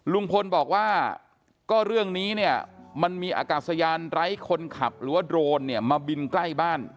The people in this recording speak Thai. ลุงพลบอกว่าก็เรื่องนี้เนี่ยมันมีอากาศยานไร้คนขับหรือว่าโดรนเนี่ยมาบินใกล้บ้าน